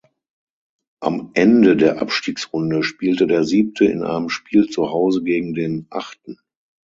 Am Ende der Abstiegsrunde spielte der Siebte in einem Spiel zuhause gegen den Achten.